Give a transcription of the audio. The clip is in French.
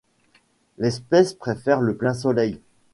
L'espèce préfère le plein soleil.